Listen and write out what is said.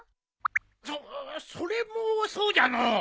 そっそれもそうじゃのう。